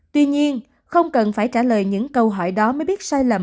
tuy nhiên không cần phải trả lời những câu hỏi đó mới biết sai lầm